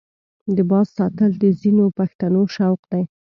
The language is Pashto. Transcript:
د باز ساتل د ځینو پښتنو شوق دی.